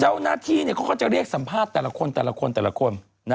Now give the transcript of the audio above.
เจ้าหน้าที่เขาก็จะเรียกสัมภาษณ์แต่ละคนแต่ละคนแต่ละคน